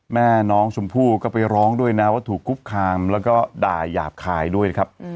แม่น้องชมพู่ก็ไปร้องด้วยนะว่าถูกคุกคามแล้วก็ด่าหยาบคายด้วยนะครับ